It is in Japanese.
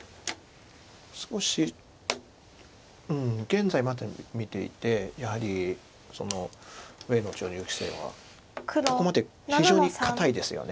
少し現在まで見ていてやはり上野女流棋聖はここまで非常に堅いですよね。